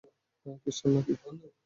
খ্রিষ্টান না কি?